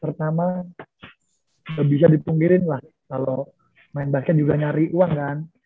pertama bisa dipunggirin lah kalau main basket juga nyari uang kan